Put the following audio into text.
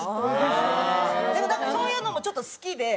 でもなんかそういうのもちょっと好きで。